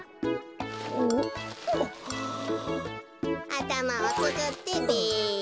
あたまをつくってべ。